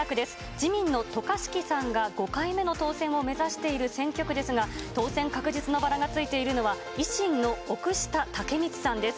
自民の渡嘉敷さんが５回目の当選を目指している選挙区ですが、当選確実のバラがついているのは、維新の奥下剛光さんです。